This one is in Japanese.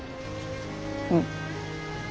うん。